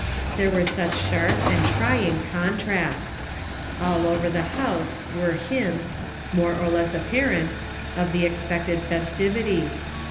There were such sharp and trying contrasts. AH over the house were hints, more or less apparent, of the expected festivity.